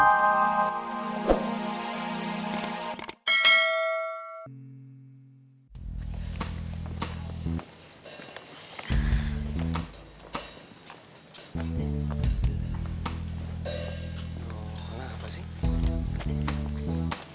aduh mana apa sih